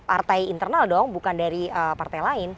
artai internal doang bukan dari partai lain